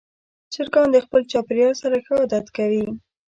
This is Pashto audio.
چرګان د خپل چاپېریال سره ښه عادت کوي.